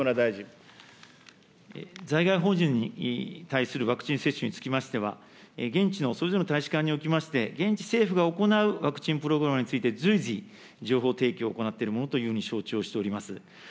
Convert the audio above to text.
在外邦人に対するワクチン接種につきましては、現地のそれぞれの大使館におきまして、現地政府が行うワクチンプログラムについて、随時、情報提供を行っているものというふうに承知をしております。